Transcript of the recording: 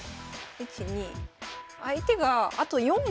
１２。